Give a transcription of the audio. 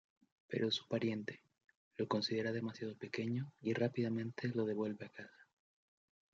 Pero su pariente, lo considera demasiado pequeño y rápidamente lo devuelve a casa.